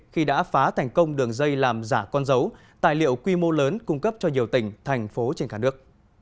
khi đã phá thành công đường dây làm giả con dấu tài liệu quy mô lớn cung cấp cho nhiều tỉnh thành phố trên cả nước